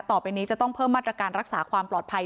ต่อไปนี้จะต้องเพิ่มมาตรการรักษาความปลอดภัย